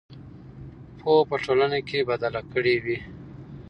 پوهه به ټولنه بدله کړې وي.